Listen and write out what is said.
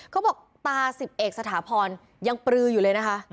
เขาบอกตาสิบเอกสถาพรยังปลืออยู่เลยนะคะ